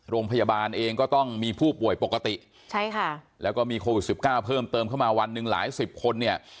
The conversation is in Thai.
โรงพยาบาลเองก็ต้องมีผู้ป่วยปกติใช่ค่ะแล้วก็มีโควิดสิบเก้าเพิ่มเติมเข้ามาวันหนึ่งหลายสิบคนเนี่ย